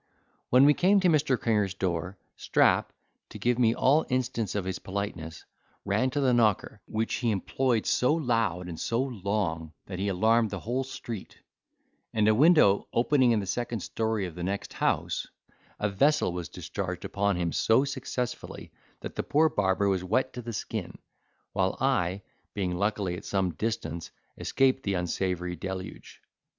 When we came to Mr. Cringer's door, Strap, to give me all instance of his politeness, ran to the knocker, which he employed so loud and so long, that he alarmed the whole street; and a window opening in the second story of the next house, a vessel was discharged upon him so successfully, that the poor barber was wet to the skin, while I, being luckily at some distance, escaped the unsavoury deluge.